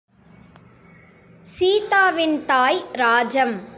சீதாவின் தாய் ராஜம்.